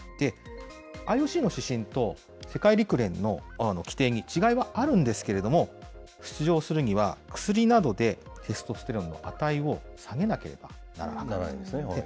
ＩＯＣの指針と、世界陸連の規定に違いはあるんですけれども、出場するには薬などでテストステロンの値を下げなきゃならなかったんですね。